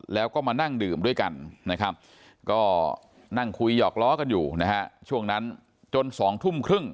แล้วก็มานั่งดื่มด้วยกันนะครับก็นั่งคุยหยอกล้อกันอยู่นะฮะช่วงนั้นจน๒ทุ่มครึ่ง